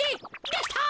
できた。